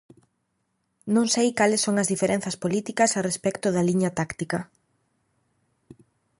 Non sei cales son as diferenzas políticas a respecto da liña táctica.